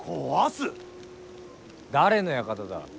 誰の館だ。